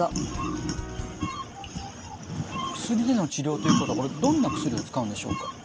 薬での治療ということはこれどんな薬を使うんでしょうか？